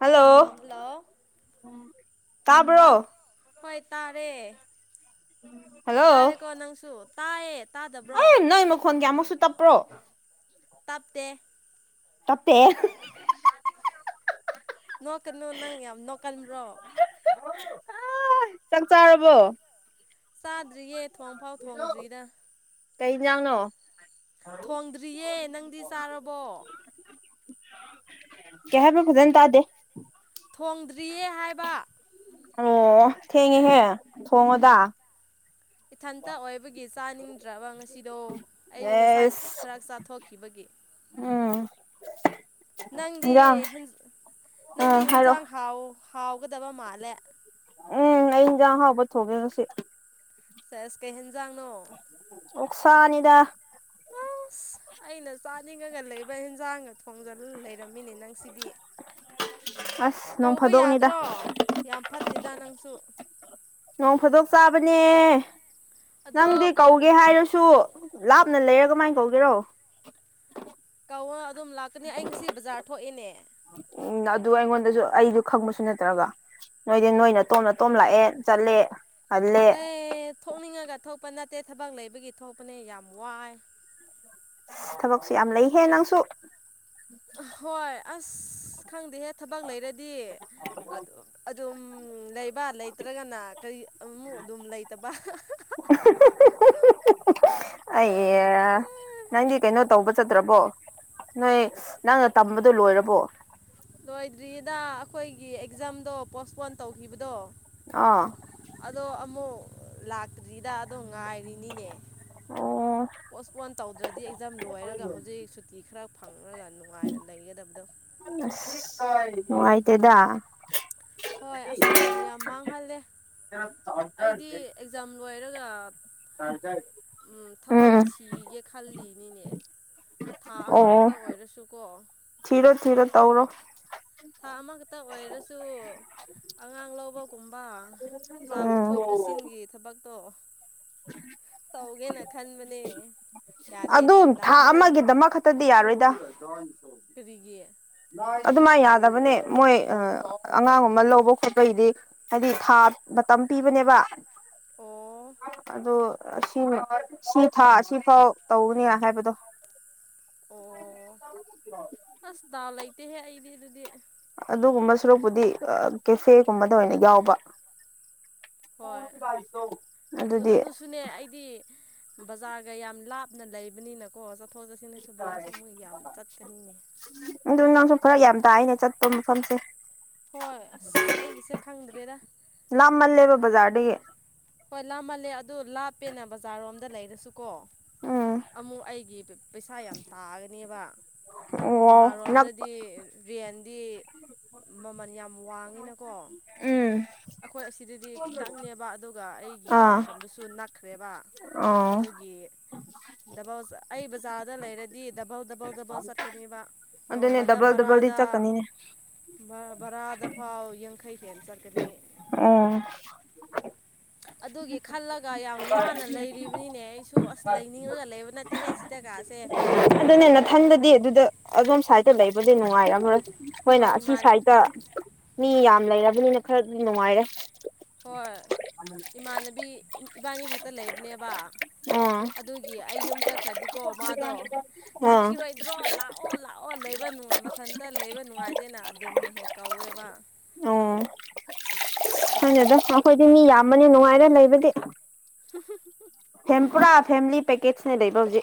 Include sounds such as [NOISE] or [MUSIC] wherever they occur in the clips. hello ꯑꯣ ꯇꯞ ꯇꯥꯕ꯭ꯔꯣ ꯍꯣꯏ ꯇꯥꯔꯦ ꯍꯜꯂꯣ ꯇꯥꯔꯦꯀꯣ ꯅꯪꯁꯨ ꯇꯥꯏꯌꯦ ꯇꯥꯗꯕ꯭ꯔꯣ ꯑꯦ ꯅꯣꯏ ꯃꯈꯣꯟ ꯀꯌꯥꯃꯨꯛꯁꯨ ꯇꯞꯄ꯭ꯔꯣ ꯇꯞꯇꯦ ꯇꯠꯇꯦ ꯅꯣꯛ ꯀꯩꯅꯨ ꯅꯪ ꯌꯥꯝ ꯅꯣꯛ ꯀꯟꯕ꯭ꯔꯣ ꯑ ꯆꯥꯛ ꯆꯥꯔꯕꯣ ꯆꯥꯗ꯭ꯔꯤꯌꯦ ꯊꯣꯡꯐꯥꯎ ꯊꯣꯡꯗ꯭ꯔꯤꯗ ꯀꯩ ꯍꯤꯟꯖꯥꯡꯅꯣ ꯊꯣꯡꯗ꯭ꯔꯤꯌꯦ ꯅꯪꯗꯤ ꯆꯥꯔꯕꯣ ꯀꯩ ꯍꯥꯏꯕ ꯐꯖꯅ ꯇꯗꯦ ꯊꯣꯡꯗ꯭ꯔꯤꯌꯦ ꯍꯥꯏꯕ ꯑꯣ ꯊꯦꯡꯉꯦꯍꯦ ꯊꯣꯡꯉꯣꯗ ꯏꯊꯟꯇ ꯑꯣꯏꯕꯒꯤ ꯆꯥꯅꯤꯡꯗ꯭ꯔꯕ ꯉꯁꯤꯗꯣ ꯑꯩ ꯉꯁꯥꯏ ꯈꯔ ꯆꯥꯊꯣꯛꯈꯤꯕꯒꯤ ꯑꯣ ꯅꯪꯗꯤ ꯅꯪꯗꯤ ꯎꯝ ꯍꯦꯟꯖꯥꯡ ꯍꯥꯏꯔꯛꯑꯣ ꯍꯥꯎ ꯍꯥꯎꯒꯗꯕ ꯃꯥꯜꯂꯦ ꯎꯝ ꯑꯩ ꯍꯤꯟꯖꯥꯡ ꯑꯍꯥꯎꯕꯥ ꯊꯣꯡꯉꯦ ꯉꯁꯤ ꯁꯦꯁ ꯀꯩ ꯍꯦꯟꯖꯥꯡꯅꯣ ꯑꯣꯛꯁꯥꯅꯤꯗ ꯑꯁ ꯑꯩꯅ ꯆꯥꯅꯤꯡꯉꯒ ꯂꯩꯕ ꯍꯦꯟꯁꯥꯡꯒ ꯊꯣꯡꯖꯜ ꯂꯩꯔꯝꯃꯤꯅꯦ ꯅꯪ ꯁꯤꯗꯤ ꯑꯁ ꯅꯣꯡ ꯀꯧꯕ ꯐꯥꯗꯣꯛꯅꯤꯗ ꯌꯥꯗ꯭ꯔꯣ ꯌꯥꯝ ꯐꯠꯇꯦꯗ ꯅꯪꯁꯨ ꯅꯣꯡ ꯐꯥꯗꯣꯛ ꯆꯥꯕꯅꯦ ꯑꯗꯣ ꯅꯪꯗꯤ ꯀꯧ ꯀꯧꯒꯦ ꯍꯥꯏꯔꯁꯨ ꯂꯥꯞꯅ ꯂꯩꯔ ꯀꯃꯥꯏꯅ ꯀꯧꯒꯦꯔꯣ ꯀꯧ ꯑꯗꯨꯝ ꯂꯥꯛꯀꯅꯤ ꯑꯩ ꯉꯁꯤ ꯕꯖꯥꯔ ꯊꯣꯛꯏꯅꯦ ꯎꯝ ꯑꯗꯨ ꯑꯩꯉꯣꯟꯗꯁꯨ ꯑꯩꯁꯨ ꯈꯪꯕꯁꯨ ꯅꯠꯇ꯭ꯔꯒ ꯅꯣꯏꯗꯤ ꯅꯣꯏ ꯅꯥꯇꯣꯝ ꯅꯇꯣꯝ ꯂꯛꯑꯦ ꯆꯠꯂꯦ ꯍꯜꯂꯦ ꯑꯦ ꯊꯣꯛꯅꯤꯡꯉꯒ ꯊꯣꯛꯄ ꯅꯠꯇꯦ ꯊꯕꯛ ꯂꯩꯕꯒꯤ ꯊꯣꯛꯄꯅꯦ ꯌꯥꯝ ꯋꯥꯏ ꯊꯕꯛꯁꯨ ꯌꯥꯝ ꯂꯩꯍꯦ ꯅꯪꯁꯨ ꯍꯣꯏ ꯑꯁ ꯈꯪꯗꯦꯍꯦ ꯊꯕꯛ ꯂꯩꯔꯗꯤ ꯑꯗꯨꯝ ꯂꯩꯕ ꯇ꯭ꯔꯒꯅ ꯀꯔꯤ ꯑꯃꯨ ꯑꯗꯨꯝ ꯂꯩꯇꯕ ꯑꯩ ꯅꯪꯗꯤ ꯀꯩꯅꯣ ꯇꯧꯕ ꯆꯠꯇ꯭ꯔꯕꯣ ꯅꯣꯏ ꯅꯪꯅ ꯇꯝꯕꯗꯣ ꯂꯣꯏꯔꯕꯣ ꯂꯣꯏꯗ꯭ꯔꯤꯗ ꯑꯩꯈꯣꯏꯒꯤ ꯑꯦꯛꯖꯥꯝꯗꯣ ꯄꯣꯁꯄꯣꯟ ꯇꯧꯈꯤꯕꯗꯣ ꯑꯣ ꯑꯗꯣ ꯑꯃꯨꯛ ꯂꯥꯛꯇ꯭ꯔꯤꯗ ꯑꯗꯣ ꯉꯥꯏꯔꯤꯅꯤꯅꯦ ꯑꯣ ꯄꯣꯁꯄꯣꯟ ꯇꯧꯗ꯭ꯔꯗꯤ ꯑꯦꯛꯖꯥꯝ ꯂꯣꯏꯔꯒ ꯍꯧꯖꯤꯛ ꯁꯨꯇꯤ ꯈꯔ ꯐꯪꯉꯒ ꯅꯨꯡꯉꯥꯏꯅ ꯂꯩꯒꯗꯕꯗꯣ ꯑꯁ ꯅꯨꯡꯉꯥꯏꯇꯦꯗ ꯍꯣꯏ ꯑꯁ ꯃꯇꯝ ꯌꯥꯝ ꯃꯥꯡꯍꯜꯂꯦ ꯑꯩꯗꯤ ꯑꯦꯛꯖꯥꯝ ꯂꯣꯏꯔꯒ ꯊꯕꯛ ꯎꯝ ꯊꯤꯒꯦ ꯈꯜꯂꯤꯅꯤꯅꯦ ꯊꯥ ꯑꯣ ꯑꯃꯈꯇꯪ ꯑꯣꯏꯔꯁꯨꯀꯣ ꯊꯤꯔꯣ ꯊꯤꯔꯣ ꯇꯧꯔꯣ ꯊꯥ ꯑꯃꯈꯛꯇ ꯑꯣꯏꯔꯁꯨ ꯑꯉꯥꯡ ꯂꯧꯕꯒꯨꯝꯕ ꯆꯥ ꯎꯝ ꯄꯨꯊꯣꯛ ꯄꯨꯁꯤꯟꯒꯤ ꯊꯕꯛꯇꯣ ꯇꯧꯒꯦꯅ ꯈꯟꯕꯅꯦ ꯑꯗꯨ ꯌꯥꯗꯦꯅꯦ ꯊꯥ ꯗꯥꯎꯁꯦ ꯑꯃꯒꯤꯗꯃꯛ ꯈꯛꯇꯗꯤ ꯌꯥꯔꯣꯏꯗ ꯀꯔꯤꯒꯤ ꯑꯗꯨꯃꯥꯏ ꯌꯥꯗꯕꯅꯦ ꯃꯣꯏ ꯑꯉꯥꯡꯒꯨꯝꯕ ꯂꯧꯕ ꯈꯣꯠꯄꯩꯗꯤ ꯍꯥꯏꯗꯤ ꯊꯥ ꯃꯇꯝ ꯄꯤꯕꯅꯦꯕ ꯑꯣ ꯑꯗꯨ ꯑꯁꯤ ꯁꯤ ꯊꯥ ꯑꯁꯤꯐꯥꯎ ꯇꯧꯒꯅꯤ ꯍꯥꯏꯕꯗꯣ ꯑꯣ [INAUDIBLE] ꯑꯁ ꯗꯥꯎ ꯂꯩꯇꯦꯍꯦ ꯑꯩꯗꯤ ꯑꯗꯨꯗꯤ ꯑꯗꯨꯒꯨꯝꯕ ꯁꯨꯔꯨꯛꯄꯨꯗꯤ ꯀꯦꯐꯦꯒꯨꯝꯕꯗ ꯑꯣꯏꯅ ꯌꯥꯎꯕ ꯍꯣꯏ [UNINTELLIGIBLE] ꯑꯗꯨ ꯑꯗꯨꯁꯨꯅꯦ ꯑꯩꯗꯤ ꯕꯖꯥꯔꯒ ꯌꯥꯝ ꯂꯥꯞꯅ ꯂꯩꯕꯅꯤꯅ ꯀꯣ ꯆꯠꯊꯣꯛ ꯆꯠꯁꯤ ꯍꯥꯏꯁꯨ ꯕꯔꯥꯁꯨ ꯃꯣꯏ ꯌꯥꯝ ꯆꯠꯀꯅꯤꯅꯦ ꯑꯗꯨ ꯅꯪꯁꯨ ꯐꯔꯛ ꯌꯥꯝ ꯇꯥꯛꯏꯅꯦ ꯆꯠꯄ ꯃꯐꯝꯁꯦ ꯍꯣꯏ ꯑꯁ ꯑꯩꯒꯤꯁꯦ ꯈꯪꯗ꯭ꯔꯦꯗ ꯅ ꯃꯜꯂꯦꯕꯣ ꯖꯥꯔꯗꯤꯦ ꯍꯣꯏ ꯂꯥꯃꯜꯂꯦ ꯑꯗꯨ ꯂꯥꯞꯄꯦꯅ ꯕꯖꯥꯔ ꯔꯣꯝꯗ ꯂꯩꯔꯁꯨ ꯀꯣ ꯎꯝ ꯑꯃꯨꯛ ꯑꯩꯒꯤ ꯄꯩꯁꯥ ꯌꯥꯝ ꯇꯥꯒꯅꯦꯕ ꯑꯣ ꯕꯖꯥꯔ ꯅꯛꯄ ꯔꯣꯝꯗꯗꯤ ꯔꯦꯟꯗꯤ ꯃꯃꯜ ꯌꯥꯝ ꯋꯥꯡꯉꯤꯅꯀꯣ ꯎꯝ ꯑꯩꯈꯣꯏ ꯑꯁꯤꯗꯗꯤ ꯈꯤꯇꯪꯅꯦꯕ ꯑꯗꯨꯒ ꯑꯩꯒꯤ ꯑꯥ ꯇꯝꯐꯝꯗꯨꯁꯨ ꯅꯛꯈ꯭ꯔꯦꯕ ꯑꯣ ꯑꯗꯨꯒꯤ ꯗꯕ ꯑꯩ ꯕꯖꯥꯔꯗ ꯂꯩꯔ ꯏꯗꯤ ꯗꯕꯎ ꯗꯕꯎ ꯗꯕꯎ ꯁꯔꯀꯦꯅꯤꯕ ꯑꯗꯨꯅꯦ ꯅꯣꯡꯃꯗ ꯗꯕꯜ ꯗꯕꯜꯗꯤ ꯕꯔꯗ ꯆꯠꯀꯅꯤꯅꯦ ꯕꯔꯥꯗ ꯐꯥꯎ ꯌꯥꯡꯈꯩ ꯍꯅ ꯆꯠꯀꯅꯤ ꯎꯝ [UNINTELLIGIBLE] [INAUDIBLE] ꯑꯗꯨꯒꯤ ꯈꯜꯂꯒ ꯌꯥꯝ ꯋꯥꯅ ꯂꯩꯔꯤꯕꯅꯤꯅꯦ ꯑꯩꯁꯨ ꯑꯁ ꯂꯩꯅꯤꯡꯉꯒ ꯂꯩꯕ ꯅꯠꯇꯦꯍꯦ ꯁꯤꯗꯀꯥꯁꯦ ꯏꯊꯟꯗꯗꯤ ꯑꯗꯨꯗ ꯑꯗꯣꯝ ꯁꯥꯏꯗ ꯂꯩꯕꯗꯤ ꯅꯨꯡꯉꯥꯏꯔꯝꯣꯏ ꯑꯩꯣꯏꯅ ꯍꯣꯏ ꯑꯁꯤ ꯏꯃꯥꯟ ꯁꯥꯏꯗꯠꯇ ꯃꯤ ꯌꯥꯝ ꯂꯩꯔꯕꯅꯤꯅ ꯈꯔꯗꯤ ꯅꯨꯡꯉꯥꯏꯔꯦ ꯍꯣꯏ ꯏꯃꯥꯟꯅꯕꯤ ꯏꯕꯥꯅꯤ ꯈꯛꯇ ꯂꯩꯕꯅꯦꯕ ꯑꯥ ꯑꯗꯨꯒꯤ ꯑꯩ ꯌꯨꯝ ꯆꯠꯈ꯭ꯔꯗꯤꯀꯣ ꯃꯥꯗꯣ ꯑꯥ ꯂꯥꯛꯈꯤꯔꯣꯏ ꯇ꯭ꯔꯣ ꯂꯥꯛꯑꯣ ꯂꯥꯛꯑꯣ ꯂꯩꯕ ꯅꯨꯡꯉꯥꯏ ꯃꯊꯟꯇ ꯂꯩꯕ ꯅꯨꯡꯉꯥꯏꯇꯦꯅ ꯑꯗꯨꯝ ꯍꯦꯛ ꯍꯦꯛ ꯀꯧꯋꯦꯕ ꯎꯝ ꯈꯪꯗꯦꯗ ꯑꯩꯈꯣꯏꯗꯤ ꯃꯤ ꯌꯥꯝꯕꯅꯤ ꯅꯨꯡꯉꯥꯏꯔꯦ ꯂꯩꯕꯗꯤ ꯍ ꯐꯄꯥ ꯐꯦ ꯄꯦꯀꯦꯠꯅꯦ ꯂꯩꯕ ꯍꯧꯖꯤ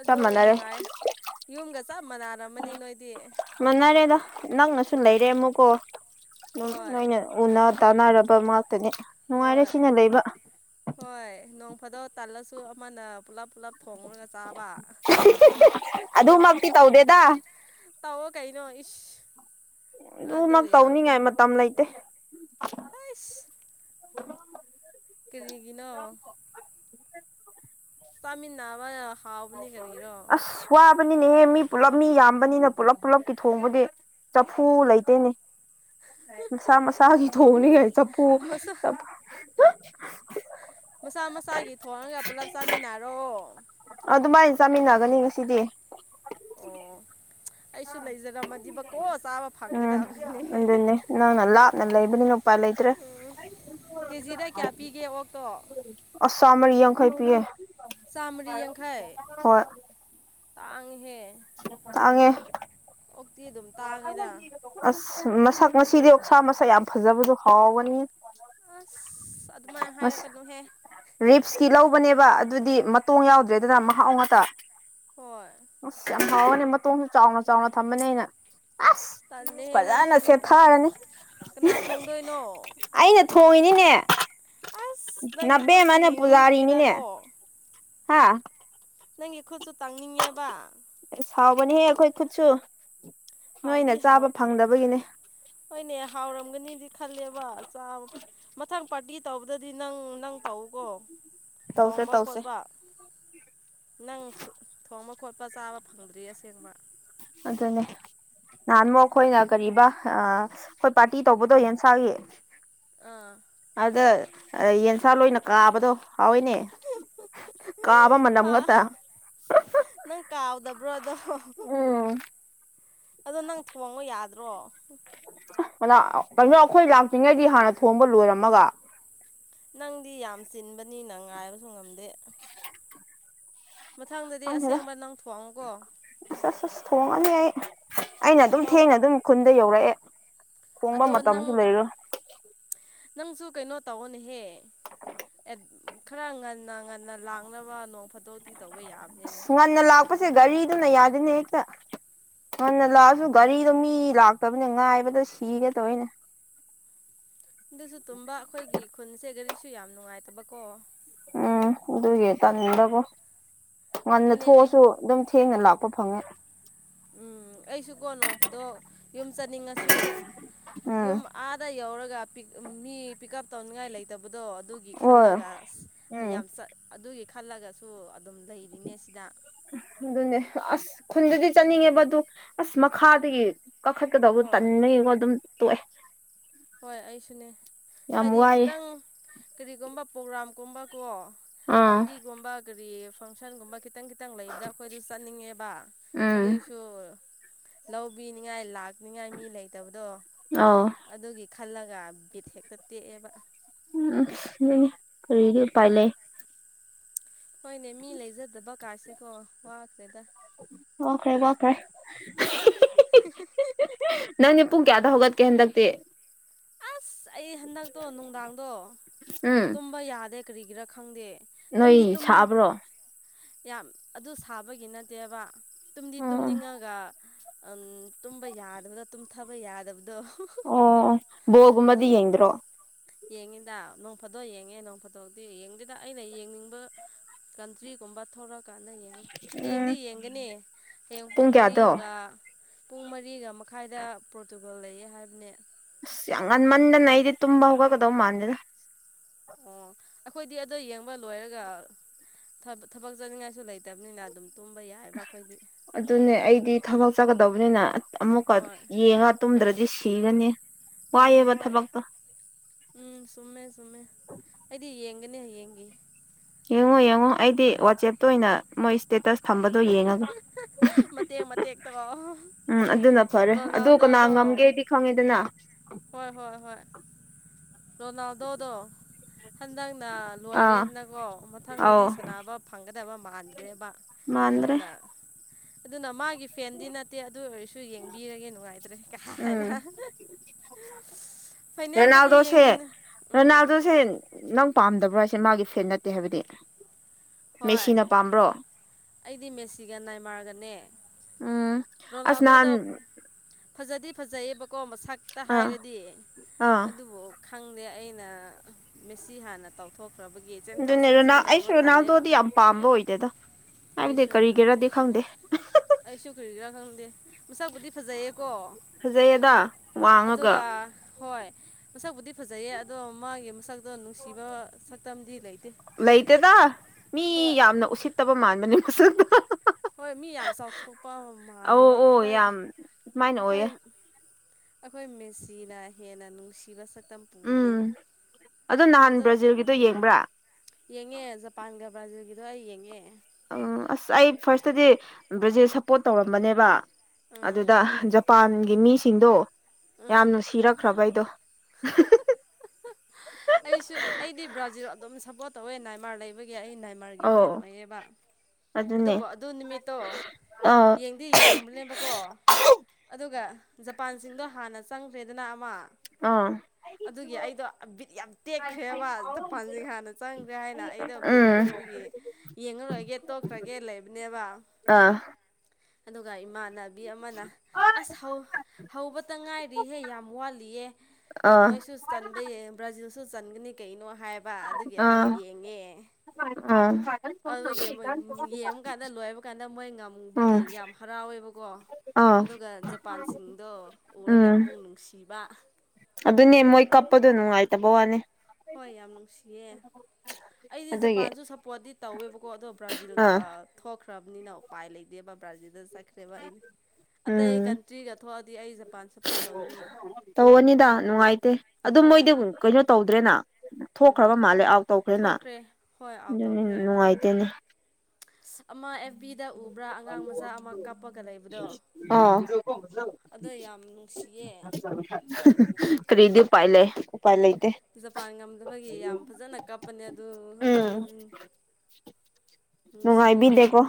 ꯑꯗꯨ ꯅꯨꯡꯉꯥꯏ ꯌꯨꯝꯒ ꯆꯞ ꯃꯥꯟꯅꯔꯝꯃꯅꯤ ꯅꯣꯏ ꯃꯅꯔꯦꯗ ꯅꯪꯅꯁꯨ ꯂꯩꯔꯦ ꯎꯝ ꯑꯃꯨꯛꯀꯣ ꯑꯗꯨꯝ ꯍꯣꯏ ꯅꯣꯏꯅ ꯎꯅ ꯇꯥꯅꯔꯕ ꯉꯥꯛꯇꯅꯤ ꯅꯨꯡꯉꯥꯏꯔꯦ ꯍꯣꯏ ꯁꯤꯅ ꯂꯩꯕ ꯍꯣꯏ ꯅꯣꯡ ꯐꯥꯗꯣꯛ ꯇꯥꯜꯂꯁꯨ ꯑꯃꯅ ꯄꯨꯂꯞ ꯄꯨꯂꯞ ꯊꯣꯉꯒ ꯆꯥꯕ ꯑꯗꯨꯃꯛꯇꯤ ꯇꯧꯗꯦꯗ ꯇꯧꯎꯣ ꯀꯩꯅꯣ ꯏꯤꯁ ꯑꯗꯨꯃꯛ ꯇꯧꯅꯤꯡꯉꯥꯏ ꯃꯇꯝ ꯂꯩꯇꯦ ꯈꯁ ꯀꯔꯤꯒꯤꯅꯣ ꯆꯥꯃꯤꯟꯅꯥꯕ ꯅ ꯈꯥꯎꯕꯅꯤ ꯀꯔꯤꯔꯣ ꯑꯁ ꯋꯥꯕꯅꯤꯅꯦꯍꯦ ꯃꯤ ꯄꯨꯂꯞ ꯃꯤ ꯌꯥꯝꯕꯅꯤꯅ ꯄꯨꯂꯞ ꯄꯨꯜꯂꯞꯀꯤ ꯊꯣꯡꯕꯗꯤ ꯆꯐꯨ ꯂꯩꯇꯦꯅꯦ ꯁꯥ ꯃ ꯁꯥꯥꯒꯤ ꯊꯎꯅꯤꯒꯦ ꯆꯞꯄꯨ ꯃꯁꯥ ꯆ ꯑ [UNINTELLIGIBLE] [INAUDIBLE] ꯃꯁꯥ ꯃꯁꯥꯒꯤ ꯊꯣꯡꯉꯒ ꯄꯨꯂꯞ ꯆꯥꯃꯤꯟꯅꯔꯣ ꯑꯗꯨꯃꯥꯏꯅ ꯆꯥꯃꯤꯟꯅꯒꯅꯤ ꯉꯁꯤꯗꯤ ꯑꯣ ꯑꯩꯁꯨ ꯂꯩꯖꯔꯝꯃꯗꯤꯕꯀꯣ ꯆꯥꯕ ꯎꯝ ꯐꯪꯒꯗꯕꯅꯤꯅꯦ ꯑꯗꯨꯅꯦ ꯅꯪꯅ ꯂꯥꯞꯅ ꯂꯩꯕꯅꯤꯅꯄꯥꯥꯏ ꯂꯩꯇ꯭ꯔꯦ ꯀꯦꯖꯤꯗ ꯀꯌꯥ ꯄꯤꯒꯦ ꯑꯣꯛꯇꯣ ꯑꯁꯥꯝ ꯃꯔꯤ ꯌꯥꯡꯈꯩ ꯄꯤꯌꯦ ꯆꯥꯝꯃꯔꯤ ꯌꯥꯡꯈꯩ ꯇꯥꯉꯤꯍꯦ ꯑꯦ ꯑꯣꯛꯇꯤ ꯑꯗꯨꯝ ꯇꯥꯡꯉꯤꯗ ꯑꯁ ꯃꯁꯛ ꯉꯁꯤꯗꯤ ꯑꯣꯁꯥ ꯃꯁꯛ ꯌꯥꯝ ꯐꯖꯕꯗꯨ ꯍꯥꯎꯒꯅꯤ ꯑꯁ ꯑꯗꯨꯃꯥꯏꯅ ꯍꯥꯏꯔꯛꯀꯅꯨꯍꯦ ꯍꯣꯅꯦꯕ ꯑꯗꯨꯗꯤ ꯃꯇꯣꯡ ꯌꯥꯎꯗ꯭ꯔꯦꯗꯅ ꯃꯍꯥꯎ ꯉꯥꯛꯇ ꯍꯣꯏ ꯑꯁ ꯌꯥꯝ ꯍꯥꯎꯔꯅꯤ ꯃꯇꯣꯡꯁꯨ ꯆꯥꯎꯅ ꯆꯥꯎꯅ ꯊꯝꯕꯅꯦ ꯑꯩꯅ ꯑꯁ ꯇꯜꯂꯦꯍꯦ ꯅꯪ ꯐꯖꯅ ꯁꯤꯗꯤ ꯁꯦꯠꯊꯔꯅꯤ ꯀꯅꯥ ꯊꯣꯡꯗꯣꯏꯅꯣ ꯑꯩꯅ ꯊꯣꯡꯉꯤꯅꯤꯅꯦ ꯑꯁ ꯅꯪꯒꯤ ꯈꯨꯠꯁꯨ ꯅꯕꯦꯝꯃꯅ ꯄꯨꯖꯥꯔꯤꯅꯤꯅꯦ ꯌꯦꯡꯅꯤꯡꯈ꯭ꯔꯦꯗꯀꯣ ꯍꯥꯥ ꯅꯪꯒꯤ ꯑꯈꯨꯠꯁꯨ ꯇꯪꯅꯤꯡꯉꯦꯕ ꯍꯥꯎꯕꯅꯦꯍꯦ ꯈꯣꯏ ꯈꯨꯠꯁꯨ ꯍꯥꯎꯗꯤ ꯅꯣꯏꯅ ꯍꯥꯎ ꯆꯥꯕ ꯐꯪꯗꯕꯒꯤꯅꯦ ꯍꯣꯏꯅꯦ ꯍꯥꯎꯔꯝꯒꯅꯤꯗꯤ ꯈꯜꯂꯦꯕ ꯃꯊꯪ ꯄꯥꯔꯇꯤ ꯇꯧꯕꯗꯗꯤ ꯅꯪ ꯅꯪ ꯇꯧꯀꯣ ꯇꯧꯁꯦ ꯊꯣꯡꯕ ꯇꯧꯁꯦ ꯈꯣꯠꯄ ꯅꯪ ꯊꯣꯡꯕ ꯈꯣꯠꯄ ꯆꯥꯕ ꯐꯪꯗ꯭ꯔꯤ ꯑꯁꯦꯡꯕ ꯑꯗꯨꯅꯦ ꯅꯍꯥꯟꯃꯨ ꯑꯩꯈꯣꯏꯅ ꯀꯔꯤꯕ ꯑ ꯍꯣꯏ ꯄꯥꯔꯇꯤ ꯇꯧꯕꯗꯣ ꯌꯦꯟꯁꯥꯒꯤ ꯑꯥ ꯑꯗ ꯌꯦꯟꯁꯥ ꯂꯣꯏꯅ ꯀꯥꯕꯗꯣ ꯍꯥꯎꯏꯅꯦ ꯀꯥꯕ ꯃꯅꯝ ꯍꯥ ꯉꯥꯛꯇ ꯅꯪ ꯀꯥꯎꯗꯕ꯭ꯔꯣ ꯑꯗꯣ ꯑꯝ ꯑꯗꯣ ꯅꯪ ꯊꯣꯡꯉꯣ ꯌꯥꯗ꯭ꯔꯣ ꯀꯩꯅꯣ ꯑꯩꯈꯣꯏ ꯂꯥꯛꯇ꯭ꯔꯤꯉꯩꯗꯤ ꯍꯥꯟꯅ ꯊꯣꯡꯕ ꯂꯣꯏꯔꯝꯃꯒ ꯅꯪꯗꯤ ꯌꯥꯝ ꯆꯤꯟꯕꯅꯤ ꯅ ꯉꯥꯏꯕꯁꯨ ꯉꯝꯗꯦ ꯃꯊꯪꯗꯗꯤ ꯑꯁꯦꯡꯕ ꯅꯪ ꯊꯣꯡꯉꯣꯀꯣ ꯑ ꯑꯁ ꯑꯁ ꯊꯣꯡꯉꯅꯤ ꯑꯩ ꯑꯩꯅ ꯑꯗꯨꯝ ꯊꯦꯡꯅ ꯊꯣꯡꯉꯣ ꯑꯗꯨꯝ ꯈꯨꯟꯗ ꯌꯧꯔꯛꯑꯦ ꯊꯣꯡꯕ ꯑꯗꯣ ꯅꯪ ꯃꯇꯝꯁꯨ ꯂꯩꯔꯣꯏ ꯅꯪꯁꯨ ꯀꯩꯅꯣ ꯇꯧꯑꯣꯅꯦꯍꯦ ꯑꯦꯇ ꯈꯔ ꯉꯟꯅ ꯉꯟꯅ ꯂꯥꯛꯅꯕ ꯅꯣꯡ ꯐꯥꯗꯣꯛꯇꯤ ꯇꯧꯕ ꯌꯥ ꯑꯁ ꯉꯟꯅ ꯂꯥꯛꯄꯁꯦ ꯒꯥꯔꯤꯗꯨꯅ ꯌꯥꯗꯦꯅꯦ ꯍꯦꯛꯇ ꯉꯟꯅ ꯂꯥꯛꯑꯁꯨ ꯒꯥꯔꯤꯗꯣ ꯃꯤ ꯂꯥꯛꯇꯕꯅꯤ ꯉꯥꯏꯕꯗ ꯁꯤꯒꯦ ꯇꯧꯋꯦꯅꯦ ꯑꯗꯨꯁꯨ ꯇꯨꯝꯕ ꯑꯩꯈꯣꯏꯒꯤ ꯈꯨꯟꯁꯦꯒꯔꯤꯁꯨ ꯌꯥꯝ ꯅꯨꯡꯉꯥꯏꯇꯕꯀꯣ ꯎꯝ ꯑꯗꯨꯒꯤ ꯇꯟꯗꯀꯣ ꯉꯟꯅ ꯑꯗꯨꯅꯦ ꯑꯩ ꯊꯣꯛꯑꯁꯨ ꯑꯗꯨꯝ ꯊꯦꯡꯅ ꯂꯥꯛꯄ ꯎꯄ ꯐꯪꯉꯦ ꯎꯝ ꯑꯩꯁꯨꯀꯣ ꯅꯣꯡ ꯐꯗꯣꯛ ꯌꯨꯝ ꯆꯠꯅꯤꯡꯉꯁꯨ ꯎꯝ ꯌꯨꯝ ꯑꯥꯗ ꯌꯧꯔꯒ ꯃꯤ ꯄꯤꯛ ꯎꯞ ꯇꯧꯅꯤꯡꯉꯥꯏ ꯂꯩꯇꯕꯗꯣ ꯑꯗꯨꯒꯤ ꯍꯣꯏ ꯈꯜꯂꯒ ꯑꯁ ꯎꯝ ꯌꯥꯝ ꯆ ꯑꯗꯨꯒꯤ ꯈꯜꯂꯒꯁꯨ ꯑꯗꯨꯝ ꯂꯩꯔꯤꯅꯦ ꯁꯤꯗ ꯑꯗꯨꯅꯦ ꯑꯁ ꯈꯨꯟꯗꯗꯤ ꯆꯠꯅꯤꯡꯉꯦꯕ ꯑꯗꯨ ꯑꯁ ꯃꯈꯥꯗꯒꯤ ꯀꯥꯈꯠꯀꯗꯧꯕ ꯍꯣꯏ ꯇꯟꯕ ꯒꯤ ꯀꯣ ꯑꯗꯨꯝ ꯇꯣꯛꯑꯦ ꯍꯣꯏ ꯑꯩꯁꯨꯅꯦ ꯌꯥꯝ ꯍꯥꯏꯗꯤ ꯋꯥꯏꯑꯦ ꯈꯤꯇꯪ ꯀꯔꯤꯒꯨꯝꯕ ꯄ꯭ꯔꯣꯒ꯭ꯔꯥꯝꯒꯨꯝꯕꯀꯣ ꯑꯥ ꯄꯔꯇꯤꯒꯨꯝꯕ ꯀꯔꯤ ꯐꯪꯁꯟꯒꯨꯝꯕ ꯈꯤꯇꯪ ꯈꯤꯇꯪ ꯂꯩꯕꯗ ꯑꯩꯈꯣꯏꯗꯁꯨ ꯆꯠꯅꯤꯡꯉꯦꯕ ꯎꯝ ꯑꯗꯨꯏꯁꯨ ꯂꯧꯕꯤꯅꯤꯉꯥꯏ ꯂꯥꯛꯅꯤꯉꯥꯏ ꯃꯤ ꯂꯩꯇꯕꯗꯣ ꯑ ꯑꯗꯨꯒꯤ ꯈꯜꯂꯒ ꯕꯤꯠ ꯍꯦꯛꯇ ꯇꯦꯛꯑꯦꯕ ꯎꯝ ꯀꯔꯤꯗꯤ ꯎꯄꯥꯏ ꯂꯩ ꯍꯣꯏꯅꯦ ꯃꯤ ꯂꯩꯖꯗꯕ ꯀꯥꯏꯥꯁꯦꯀꯣ ꯋꯥꯈ꯭ꯔꯦꯗ ꯋꯥꯈ꯭ꯔꯦ ꯋꯥꯈ꯭ꯔꯦ [UNINTELLIGIBLE] ꯅꯪꯅꯦ ꯄꯨꯡ ꯀꯌꯥꯗ ꯍꯧꯒꯠꯀꯦ ꯍꯟꯗꯛꯇꯤ ꯑꯁ ꯑꯩ ꯍꯟꯗꯛꯇꯣ ꯅꯨꯡꯗꯥꯡꯗꯣ ꯎꯝ ꯇꯨꯝꯕ ꯌꯥꯗꯦ ꯀꯔꯤꯒꯤꯔꯥ ꯈꯪꯗꯦ ꯅꯣꯏ ꯇꯨꯝꯗꯤ ꯇꯨꯝꯅꯤꯡ ꯁꯥꯕ꯭ꯔꯣ ꯌꯥꯝ ꯑꯗꯨ ꯁꯥꯕꯒꯤ ꯅꯠꯇꯦꯕ ꯇꯨꯝꯗꯤ ꯎꯝ ꯇꯨꯝꯅꯤꯡꯉꯒ ꯇꯨꯝꯕ ꯌꯥꯗꯕꯗꯣ ꯇꯨꯝꯊꯕ ꯌꯥꯗꯕꯗꯣ ꯕꯣꯜ ꯑꯗꯨ ꯒꯨꯝꯕꯗꯤ ꯌꯦꯡꯗꯔꯣ ꯌꯦꯡꯉꯤꯗ ꯅꯣꯡ ꯐꯠꯇꯣꯛ ꯌꯦꯡꯉꯦ ꯅꯣꯡ ꯐꯥꯠꯇꯣꯛꯗꯤ ꯌꯦꯡꯗꯦꯗ ꯑꯩꯅ ꯌꯦꯡꯅꯤꯡꯕ ꯀꯟꯇ꯭ꯔꯤꯒꯨꯝꯕ ꯊꯣꯔꯛ ꯗꯨꯀꯥꯟꯗ ꯌꯦꯡꯉꯅꯤ ꯎꯝ ꯍꯌꯦꯡꯗꯤ ꯌꯦꯡꯒꯅꯤ ꯍꯌꯦꯡ ꯄꯨꯡ ꯃꯔꯤꯒ ꯄꯨꯡ ꯃꯔꯤꯒ ꯃꯈꯥꯏꯗ ꯄ꯭ꯔꯣꯔꯇꯨꯒꯣꯜ ꯂꯩꯌꯦ ꯍꯥꯏꯕꯅꯦ ꯑꯁ ꯌꯥꯝ ꯉꯟꯃꯟꯗꯅ ꯑꯩꯗꯤ ꯇꯨꯝꯕ ꯍꯧꯒꯠꯀꯗꯧ ꯃꯥꯟꯦꯗꯅ ꯑꯣ ꯑꯩꯈꯣꯏꯗꯤ ꯑꯗꯩ ꯌꯦꯡꯕ ꯂꯣꯏꯔꯒ ꯊꯕꯛ ꯆꯠꯅꯤꯡꯉꯥꯏꯁꯨ ꯂꯩꯇꯕꯅꯤꯅ ꯑꯗꯨꯝ ꯇꯨꯝꯝꯕꯩ ꯌꯥꯔ ꯑꯗꯨꯅꯦ ꯑꯩꯗꯤ ꯊꯕꯛ ꯆꯠꯀꯗꯧꯕꯅꯤꯅ ꯑꯃꯨꯛꯀ ꯍꯣꯏ ꯌꯦꯡꯉ ꯇꯨꯝꯗ꯭ꯔꯗꯤ ꯁꯤꯒꯅꯤ ꯅ ꯋꯥꯏꯑꯦꯕ ꯍꯣꯏ ꯊꯕꯛꯇꯣ ꯎꯝ ꯁꯨꯝꯃꯦ ꯁꯨꯝꯃꯦ ꯍꯥꯏꯗꯤ ꯌꯦꯡꯒꯅꯤ ꯌꯦꯡꯒ ꯌꯦꯡꯉꯣ ꯌꯦꯡꯉꯣ ꯑꯩꯗꯤ ꯋꯥꯆꯦꯞꯇ ꯑꯣꯏꯅ ꯃꯣꯏ ꯏꯁꯇꯦꯇꯁ ꯊꯝꯕꯗꯣ ꯌꯦꯡꯉꯒ ꯃꯇꯦꯡ ꯃꯇ ꯇꯣ ꯎꯝ ꯑꯗꯨꯅ ꯐꯔꯦ ꯑꯗꯨ ꯀꯅꯥ ꯉꯝꯒꯦꯗꯤ ꯈꯪꯉꯦꯗꯅ ꯍꯣꯏ ꯍꯣꯏ ꯍꯣꯏ ꯔꯣꯅꯥꯜꯗꯣꯗꯣ ꯍꯟꯗꯛꯅ ꯑꯥ ꯂꯣꯏꯔꯦꯗꯅꯀꯣ ꯑꯧ ꯃꯊꯪꯗꯗꯤ ꯁꯅꯕ ꯐꯪꯒꯗꯕ ꯃꯥꯟꯗ꯭ꯔꯦꯕ ꯃꯥꯟꯗ꯭ꯔꯦ ꯑꯗꯨꯅ ꯑꯗꯨꯅ ꯃꯥꯒꯤ ꯐꯦꯟꯗꯤ ꯅꯠꯇꯦ ꯑꯗꯨ ꯑꯣꯏꯔꯁꯨ ꯌꯦꯡꯕꯤꯔꯒꯦ ꯅꯨꯡꯉꯥꯏꯇ꯭ꯔꯦ ꯀꯥꯏ ꯎꯝ ꯍꯥꯏꯅ ꯐꯥꯅꯦꯜ ꯗ ꯔꯣꯅꯥꯜꯗꯣꯁꯦ ꯔꯣꯅꯥꯜꯗꯣꯁꯦ ꯅꯪ ꯄꯥꯝꯗꯕ꯭ꯔꯣ ꯍꯥꯏꯁꯦ ꯃꯥꯒꯤ ꯐꯦꯟ ꯅꯠꯇꯦ ꯍꯥꯏꯕꯗꯤ ꯍꯣꯏ ꯃꯦꯁꯤꯅ ꯄꯥꯝꯕ꯭ꯔꯣ ꯑꯩꯗꯤ ꯃꯦꯁꯤꯒ ꯅꯥꯏꯃꯔꯒꯅꯦ ꯎꯝ ꯑꯁ ꯅꯍꯥꯟ ꯐꯖꯗꯤ ꯐꯖꯩꯌꯦꯕꯀꯣ ꯃꯁꯛꯇ ꯑꯥ ꯍꯥꯏꯔꯗꯤ ꯑꯥ ꯑꯗꯨꯕꯨ ꯈꯪꯗꯦ ꯑꯩꯅ ꯃꯦꯁꯤ ꯍꯥꯟꯅ ꯇꯧꯊꯣꯛ ꯈꯕꯒꯤ ꯆꯦꯟꯊꯣꯛ ꯑꯗꯨꯅꯦ ꯆꯦꯟꯁꯤꯟ ꯔꯣꯅꯥꯜ ꯑꯩꯁꯨ ꯇꯧꯕ ꯇꯜꯂꯦꯕ ꯔꯣꯅꯥꯜꯗꯣꯗꯤ ꯌꯥꯝ ꯄꯥꯝꯕ ꯑꯣꯏꯗꯦꯗ ꯍꯥꯏꯕꯗꯤ ꯑꯩꯁꯨ ꯀꯔꯤꯒꯤꯔꯗꯤ ꯈꯪꯗꯦ ꯑꯩꯁꯨ ꯀꯨꯔꯤꯒꯤ ꯔꯥ ꯈꯪꯗꯦ ꯃꯁꯥꯛꯄꯨꯗꯤ ꯐꯖꯩꯌꯦꯀꯣ ꯐꯖꯩꯌꯦꯗ ꯋꯥꯡꯉꯒ ꯑꯗꯨꯒ ꯍꯣꯏ ꯃꯁꯛꯄꯗꯤ ꯐꯖꯩꯌꯦ ꯑꯗꯣ ꯃꯥꯒꯤ ꯃꯁꯛꯇꯣ ꯅꯨꯡꯁꯤꯕ ꯁꯛꯇꯝꯗꯤ ꯂꯩꯇꯦ ꯂꯩꯇꯦꯗ ꯃꯤ ꯍꯣꯏ ꯌꯥꯝꯅ ꯎꯁꯤꯠꯇꯕ ꯃꯥꯟꯕꯅꯤ ꯃꯁꯛ ꯇꯣ ꯍꯣꯏ ꯃꯤ ꯌꯥꯝ ꯆꯥꯎꯊꯣꯛꯄ ꯑꯧ ꯃꯥꯜꯂꯦꯕ ꯑꯣ ꯑꯩꯈꯣꯏ ꯌꯥꯝ ꯑꯗꯨꯃꯥꯏꯅ ꯑꯩꯈꯣꯏ ꯑꯣꯏꯌꯦ ꯑꯩꯈꯣꯏ ꯃꯦꯆꯤꯅ ꯍꯦꯟꯅ ꯅꯨꯡꯁꯤꯕ ꯁꯛꯇꯝ ꯄꯨꯕꯅꯦ ꯎꯝ ꯑꯗꯣ ꯅꯍꯥꯟ ꯕ꯭ꯔꯥꯖꯤꯜꯒꯤꯗꯣ ꯌꯦꯡꯕ꯭ꯔꯥ ꯌꯦꯡꯉꯦ ꯖꯄꯥꯟꯒ ꯕ꯭ꯔꯥꯖꯤꯜꯒꯤꯗꯣ ꯑꯩ ꯌꯦꯡꯉꯦ ꯎꯝ ꯑꯁ ꯑꯩ ꯐꯥꯔꯁꯇꯗꯤ ꯕ꯭ꯔꯖꯤꯜ ꯁꯞꯄꯣꯔꯠ ꯇꯧꯔꯝꯕꯅꯦꯕ ꯎꯝ ꯑꯗꯨꯗ ꯃꯄꯥꯟꯒꯤ ꯃꯤꯁꯤꯡꯗꯣ ꯎꯝ ꯌꯥꯝꯅ ꯁꯤꯔꯛꯈ꯭ꯔꯕ ꯑꯩꯗꯣ ꯑꯩꯁꯨ ꯑꯩꯗꯤ ꯕ꯭ꯔꯥꯖꯤꯜ ꯑꯗꯨꯝ ꯁꯞꯄꯣꯔꯠ ꯇꯧꯋꯦ ꯅꯥꯏꯃꯥꯔ ꯂꯩꯕꯒꯤ ꯑꯩ ꯅꯥꯏꯃꯥꯔꯒꯤ ꯑꯧ ꯐꯦꯟ ꯑꯣꯏꯌꯦꯕ ꯑꯗꯨꯅꯦ ꯑꯗꯨꯕꯨ ꯑꯗꯨ ꯅꯨꯃꯤꯠꯇꯣ ꯑꯥ ꯌꯦꯡꯗꯤ ꯌꯦꯡꯕꯅꯦꯕꯀꯣ ꯑꯗꯨꯒ ꯖꯄꯥꯟꯁꯤꯡꯗꯣ ꯍꯥꯟꯅ ꯆꯪꯈ꯭ꯔꯦꯗꯅ ꯑꯃ ꯑꯥ [UNINTELLIGIBLE] [INAUDIBLE] ꯑꯗꯨꯒꯤ ꯑꯩꯗꯣ ꯕꯤꯠ ꯌꯥꯝ ꯇꯦꯛꯈ꯭ꯔꯦꯕ ꯖꯄꯥꯟꯁꯤꯡ ꯍꯥꯟꯅ ꯆꯪꯈ꯭ꯔꯦ ꯍꯥꯏꯅ ꯑꯩꯗꯣ ꯕꯤꯠ ꯎꯝ ꯂꯩꯇꯕꯒꯤ ꯌꯦꯡꯉꯔꯣꯏꯒꯦ ꯇꯣꯛꯈ꯭ꯔꯒꯦ ꯂꯩꯕꯅꯦꯕ ꯑꯥ ꯑꯗꯨꯒ ꯏꯃꯥꯅ ꯕꯤ ꯑꯃꯅ ꯑꯁ ꯍꯧꯕꯇ ꯉꯥꯏꯔꯤꯍꯦ ꯌꯥꯝ ꯋꯥꯠꯂꯤꯌꯦꯦ ꯑꯥ ꯅꯣꯏꯁꯨ ꯆꯟꯕ ꯕ꯭ꯔꯥꯖꯤꯜꯁꯨ ꯆꯟꯒꯅꯤ ꯀꯩꯅꯣ ꯍꯥꯏꯕ ꯑꯗꯨꯒꯤ ꯑꯃꯨꯛ ꯑꯥ ꯌꯦꯡꯉꯦ ꯑꯥ ꯑꯗꯨꯒꯤ ꯃ ꯌꯦꯡꯕꯀꯥꯟꯗ ꯂꯣꯏꯕ ꯀꯥꯟꯗ ꯃꯣꯏ ꯉꯝꯕꯒꯤ ꯎꯝ ꯌꯥꯝ ꯍꯔꯥꯎꯋꯦꯕꯀꯣ ꯑꯥ ꯑꯗꯨꯒ ꯖꯄꯥꯟꯁꯤꯡꯗꯣ ꯎꯔꯒ ꯎꯝ ꯑꯃꯨꯛ ꯅꯨꯡꯁꯤꯕ ꯑꯗꯨꯅꯦ ꯃꯣꯏ ꯀꯞꯄꯗꯣ ꯅꯨꯡꯉꯥꯏꯇꯕ ꯋꯥꯅꯤ ꯍꯣꯏ ꯌꯥꯝ ꯅꯨꯡꯁꯤꯌꯦ ꯑꯩꯗꯤ ꯑꯗꯨꯒꯤ ꯖꯄꯥꯟꯁꯨ ꯁꯞꯄꯣꯔꯠꯇꯗꯤ ꯇꯧꯋꯦꯕꯀꯣ ꯑꯗꯣ ꯕ꯭ꯔꯥꯖꯤꯜꯒ ꯑꯥ ꯊꯣꯛꯈ꯭ꯔꯕꯅꯤꯅ ꯎꯄꯥꯏ ꯂꯩꯇꯦꯕ [UNINTELLIGIBLE] ꯁꯠꯈꯔꯦꯚ ꯑꯩꯗꯤ ꯎꯝ ꯖꯄꯥꯟ ꯁꯞꯄꯣꯔꯠ ꯇꯧꯒꯅꯤ ꯇꯧꯒꯅꯤꯗ ꯅꯨꯡꯉꯥꯏꯇꯦ ꯑꯗꯨ ꯍꯣꯏ ꯃꯣꯏꯗꯤ ꯀꯩꯅꯣ ꯇꯧꯗ꯭ꯔꯦꯅ ꯀꯔꯤ ꯊꯣꯛꯈ꯭ꯔꯕ ꯃꯥꯜꯂꯦ ꯑꯥꯎꯠ ꯇꯧꯈ꯭ꯔꯦꯅ ꯊꯣꯛꯈ꯭ꯔꯦ ꯍꯣꯏ ꯑꯥꯎꯠ ꯑꯗꯨꯅꯤ ꯇꯧꯈ꯭ꯔꯦ ꯑꯁ ꯅꯨꯡꯉꯥꯏꯇꯦꯅꯦ ꯑꯃ ꯑꯦꯐ ꯕꯤꯗ ꯎꯕ꯭ꯔꯥ ꯑꯉꯥꯡ ꯃꯆꯥ ꯑꯃ ꯀꯥꯞꯄꯒ ꯂꯩꯕꯗꯣ ꯑꯥ ꯑꯗꯣ ꯌꯥꯝ ꯅꯨꯡꯁꯤꯌꯦ [UNINTELLIGIBLE] ꯀꯔꯤꯗꯤ ꯎꯄꯥꯏ ꯂꯩ ꯎꯄꯥꯏ ꯂꯩꯇꯦ ꯖꯄꯥꯟ ꯉꯝꯗꯕꯒꯤ ꯌꯥꯝ ꯐꯖꯅ ꯀꯞꯄꯅꯦ ꯑꯗꯨ ꯑꯗꯨ ꯎꯝ [UNINTELLIGIBLE] ꯅꯨꯡꯁꯤꯌꯦ ꯌꯥꯝ ꯅꯨꯡꯉꯥꯏꯕꯤꯗꯦꯀꯣ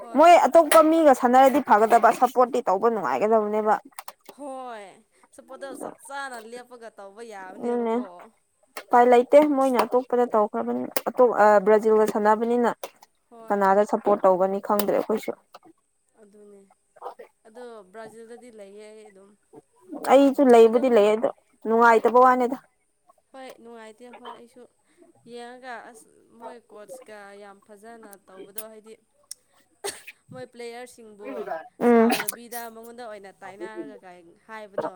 ꯍꯣꯏ ꯃꯣꯏ ꯑꯇꯣꯞꯄ ꯃꯤꯒ ꯁꯥꯟꯅꯔꯗꯤ ꯐꯒꯗꯕ ꯁꯞꯄꯣꯔꯠꯇꯤ ꯇꯧꯕ ꯅꯨꯡꯉꯥꯏꯒꯗꯕꯅꯦꯕ ꯍꯣꯏ ꯁꯣꯄꯣꯠꯇꯣ ꯆꯞ ꯆꯥꯅ ꯂꯦꯞꯄꯒ ꯇꯧꯕ ꯌꯥꯕꯅꯦꯕꯀꯣ ꯄꯥꯏ ꯂꯩꯇꯦ ꯃꯣꯏꯅ ꯑꯇꯣꯞꯄꯗ ꯇꯧꯈ꯭ꯔꯕꯅꯤꯅ ꯑꯇꯣꯞ ꯕ꯭ꯔꯥꯖꯤꯜꯒ ꯁꯥꯟꯅꯕꯅꯤꯅ ꯍꯣꯏ ꯀꯅꯥꯗ ꯁꯞꯄꯣꯔꯠ ꯇꯧꯒꯅꯤ ꯈꯪꯗ꯭ꯔꯦ ꯑꯩꯈꯣꯏꯁꯨ ꯑꯗꯨꯅꯦ ꯑꯗꯣ ꯕ꯭ꯔꯥꯖꯤꯜꯗꯗꯤ ꯂꯩꯌꯦ ꯑꯩ ꯑꯗꯨꯝ ꯑꯩꯁꯨ ꯂꯩꯕꯨꯗꯤ ꯑꯗꯨꯝ ꯂꯩꯌꯦ ꯗꯣ ꯅꯨꯡꯉꯥꯏꯇꯕ ꯋꯥꯅꯤꯗ ꯍꯣꯏ ꯅꯨꯡꯉꯥꯏꯇꯦ ꯍꯣꯏ ꯑꯩꯁꯨ ꯌꯦꯡꯉꯒ ꯑꯁ ꯃꯣꯏ ꯀꯣꯔꯆꯀ ꯌꯥꯝ ꯐꯖꯅ ꯇꯧꯕꯗꯣ ꯍꯥꯏꯗꯤ [UNINTELLIGIBLE] ꯃꯣꯏ ꯄ꯭ꯂꯦꯌꯔꯁꯤꯡꯕꯨ ꯎꯝ ꯁꯥꯎꯗꯕꯤꯗ ꯃꯉꯣꯟꯗ ꯑꯣꯏꯅ ꯇꯥꯏꯅꯔꯒꯥꯏ ꯍꯥꯏꯕꯗꯣ